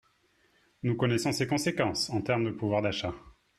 Nous connaissons ses conséquences en termes de pouvoir d’achat.